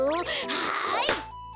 はい！